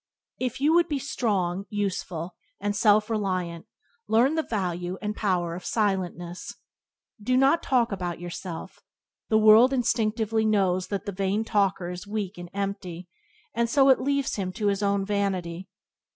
If you would be strong, useful, and self reliant learn the value and power of silentness. Do not talk about yourself. The world instinctively knows that the vain talker is weak and empty, and so it leaves him to his own vanity.